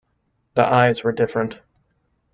The eyes were different.